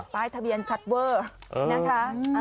ป้ายทะเบียนชัดเวอร์นะคะ